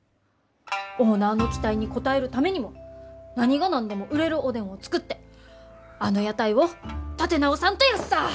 オーナーの期待に応えるためにも何が何でも売れるおでんを作ってあの屋台を立て直さんとヤッサー！